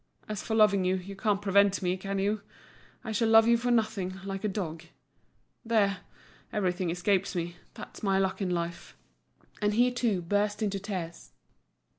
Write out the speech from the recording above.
As for loving you, you can't prevent me, can you? I shall love you for nothing, like a dog. There, everything escapes me, that's my luck in life." And he, too, burst into tears.